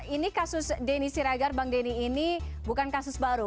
ini kasus denny siragar bang denny ini bukan kasus baru